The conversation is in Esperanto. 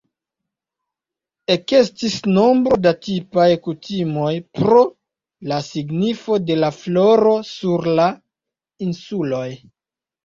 Ekestis nombro da tipaj kutimoj pro la signifo de la floro sur la insuloj.